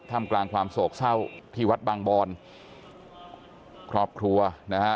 กลางความโศกเศร้าที่วัดบางบอนครอบครัวนะฮะ